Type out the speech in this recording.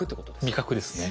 味覚ですね。